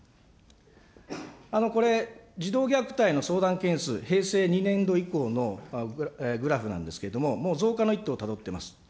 これ、児童虐待の相談件数、平成２年度以降のグラフなんですけれども、もう増加の一途をたどっています。